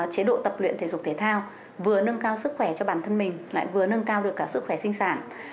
chế độ tập luyện thể dục thể thao vừa nâng cao sức khỏe cho bản thân mình lại vừa nâng cao được cả sức khỏe sinh sản